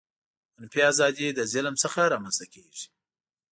منفي آزادي له ظلم څخه رامنځته کیږي.